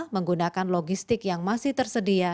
menggunakan logistik yang masih tersedia